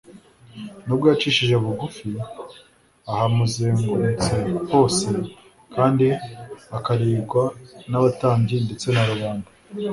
Nubwo yicishije bugufi ahamuzengumtse hose kandi akarigwa n'abatambyi ndetse na rubanda,